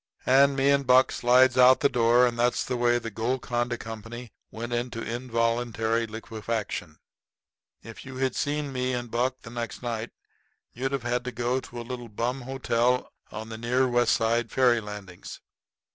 And me and Buck slides out the door; and that's the way the Golconda Company went into involuntary liquefaction. If you had seen me and Buck the next night you'd have had to go to a little bum hotel over near the West Side ferry landings.